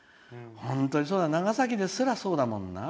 長崎ですらそうだもんな。